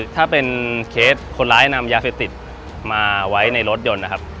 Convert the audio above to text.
ถ้าเป็นเคสคนร้ายนำยาเสพติดมาไว้ในรถยนต์นะครับ